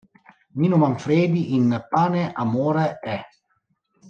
Nino Manfredi in "Pane, amore e..."